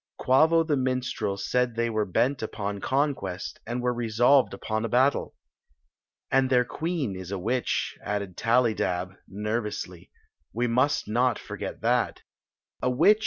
"Quavo the minstrel said they were bent upon conquest, and were resolved upon a battle." "And their queen is a witch," added Tally dab, nervously. "We must not forget that." " A witch